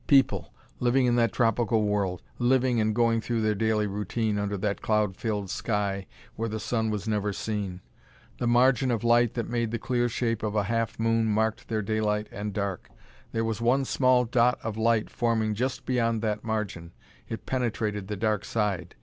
People, living in that tropical world; living and going through their daily routine under that cloud filled sky where the sun was never seen. The margin of light that made the clear shape of a half moon marked their daylight and dark; there was one small dot of light forming just beyond that margin. It penetrated the dark side.